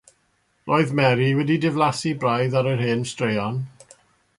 Roedd Mary wedi diflasu braidd ar yr hen straeon.